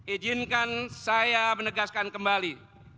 ijinkan saya menegaskan kembali